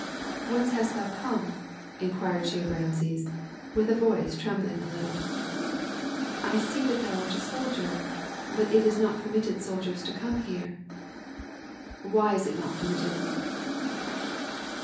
"Whence hast thou come?" inquired she of Rameses, with a voice trembling a little. "I see that thou art a soldier, but it is not permitted soldiers to come here." "Why is it not permitted?"